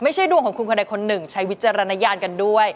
ดวงของคุณคนใดคนหนึ่งใช้วิจารณญาณกันด้วย